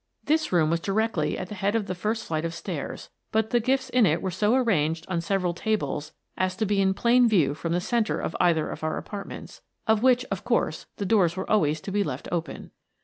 This room was directly at the head of the first flight of stairs, but the gifts in it were so arranged on several tables as to be in plain view from the centre of either of our apartments, of which, of course, the doors were always to be left open.